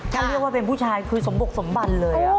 ถ้าเรียกว่าเป็นผู้ชายคือสมบกสมบันเลย